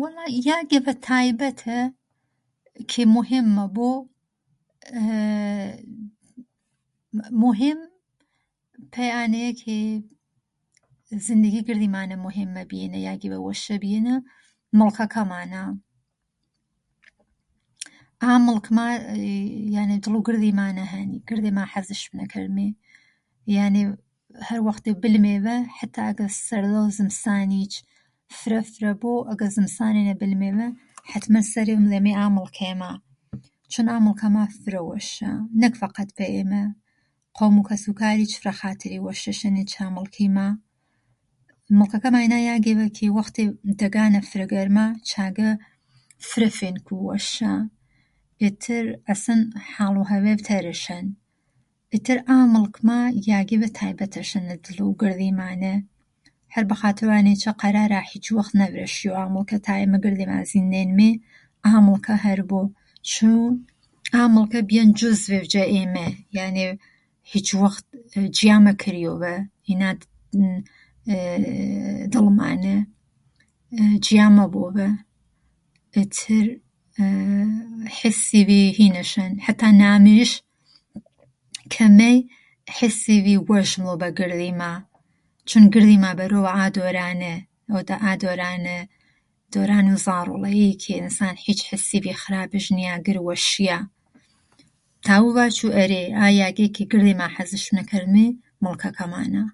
وەڵا یاگێڤە تایبەتە کە موهێممە بۆ مۆهێم پەی ئانەیە کە زنگیما گڕذیمانە موهێمە بیێنە و یاگێڤە وەشە بیێنە مڵکەکەمانا. ئا مڵکما یانێڤ دڵوو گرذیمانە هەن. گرذێما عەزش پنە کەرمێ یانێڤ هەر وەختێڤ بلمێڤە یانێڤ ئەگەر سەرذەو زمسانیچ فرە فرە بۆ ئەگەر زمسانێنە بلمێڤە عەتمەن سەرێڤ مذەیمێ ئا مڵکەیما، چوون ئا مڵکما فرە وەشا نە فەقەت پەی ئێمە. قۆموو کەسوو کاریچ فرە خاترێ وەشیش هەنێ چا مڵکەیما. مڵکەکەما ئینا یاگێڤە کە وەختێڤ دەگانە فرە گەرما چاگە فرە فێنکوو وەشا ئیتر ئەسڵەن حاڵوو هەڤێڤ تەرش هەن ئێتر ئا مڵکما یاگێڤە تایبەتەش هەنە دڵوو گرذێمانە. هەر ەب خاترۆ ئانەیچە قەرارا هیچوەخت نەڤرەشیۆ. ئا مڵکە تا ئێمە گرذێما زینێنمێ ئامڵکە هەر بۆ چوون ئا مڵکە بیەن جۆزڤێڤ جە ئێمە یانێڤ هیچ وەخت جیا مەکریۆڤە ئینا دڵمانە جیا مەبۆڤە ئێتر عێسێڤی هینش هەن حەتا نامیش کە مەی حێسێڤی وەش مذۆ بە گرذیما. چوون گرذیما بەرۆڤە ئا دەورانە، دەرانوو زاڤڵەیی کە ئێندان هیچ عێسێڤی خابش نیا گرذ وەشیا متاڤوو ڤاچوو ئەرێ ئا یاگێ کە گرذێما حەزش چنە کەرمێ، مڵکەکەمانا.